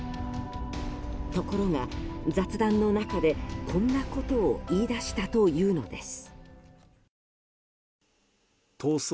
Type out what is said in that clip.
ところが、雑談の中でこんなことを言い出したというのです。